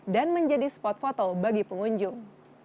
dan menjadi spot foto bagi pengunjung